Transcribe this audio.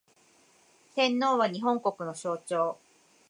天皇は、日本国の象徴